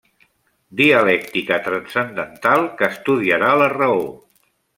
Dialèctica Transcendental, que estudiarà la raó.